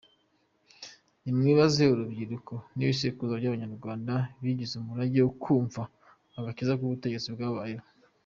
Nimwibaze urubyiruko n’ibisekuru by’Abanyarwanda bigize umurage wo kumva agakiza ku butegetsi bwabayeho.